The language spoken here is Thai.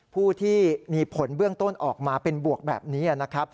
ผู้ที่มีผลเบื้องต้นออกมาเป็นบวกแบบนี้นะครับ